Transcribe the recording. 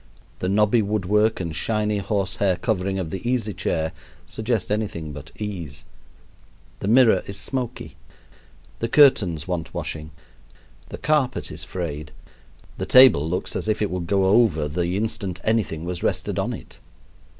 The knobby wood work and shiny horse hair covering of the easy chair suggest anything but ease. The mirror is smoky. The curtains want washing. The carpet is frayed. The table looks as if it would go over the instant anything was rested on it.